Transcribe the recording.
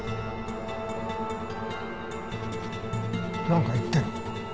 なんか言ってる。